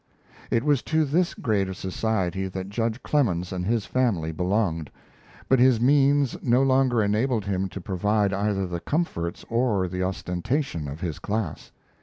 It was to this grade of society that judge Clemens and his family belonged, but his means no longer enabled him to provide either the comforts or the ostentation of his class.